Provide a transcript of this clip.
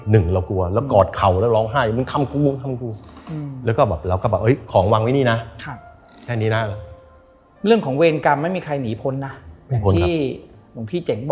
หนึ่งเรากลัวแล้วกอดเข่าแล้วร้องไห้เหมือนคำกู้